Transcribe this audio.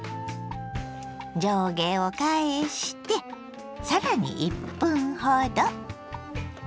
上下を返してさらに１分ほど。